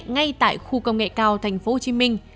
ngay tại khu công nghệ cao tp hcm